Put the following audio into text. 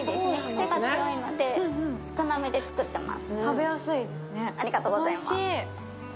癖が強いので、少なめで作ってます